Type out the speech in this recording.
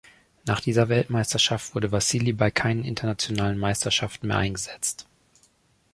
Nach dieser Weltmeisterschaft wurde Wassili bei keinen internationalen Meisterschaften mehr eingesetzt.